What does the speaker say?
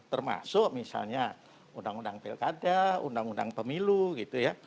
termasuk misalnya undang undang pilkada undang undang pemilu gitu ya